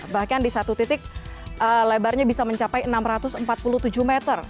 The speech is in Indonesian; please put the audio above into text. bahkan di satu titik lebarnya bisa mencapai enam ratus empat puluh tujuh meter